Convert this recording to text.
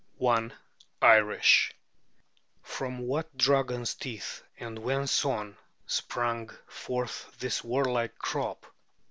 I IRISH "From what dragon's teeth, and when sown, sprang forth this warlike crop?"